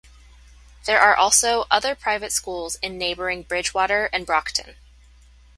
There are also other private schools in neighboring Bridgewater and Brockton.